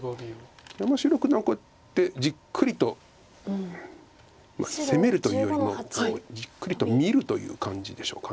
山城九段はこうやってじっくりと攻めるというよりもじっくりと見るという感じでしょうか。